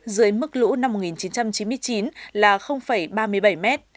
dưới mức lũ năm một nghìn chín trăm chín mươi chín là ba mươi bảy m